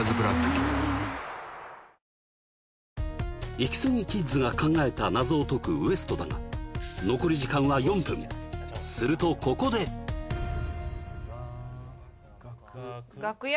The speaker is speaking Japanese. イキスギキッズが考えた謎を解くＷＥＳＴだが残り時間は４分するとここでガクヤ！